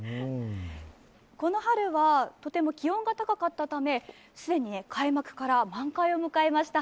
この春はとても気温が高かったため既に開幕から満開を迎えました。